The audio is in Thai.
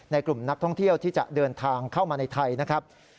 กลุ่มนักท่องเที่ยวที่จะเดินทางเข้ามาในไทยนะครับ